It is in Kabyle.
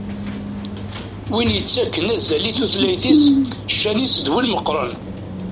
Win yettakken azal i tutlayt-is, ccan-is d win meqqren.